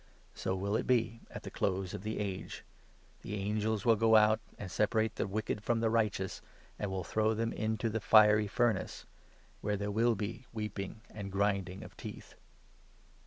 So will it be at the close of the age. 49 The angels will go out and separate the wicked from the righteous, and ' will throw them into the fiery furnace,' where 50 there will be weeping and grinding of teeth.